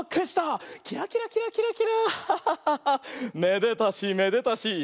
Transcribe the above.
めでたしめでたし。